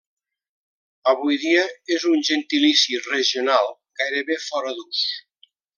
Avui dia és un gentilici regional gairebé fora d'ús.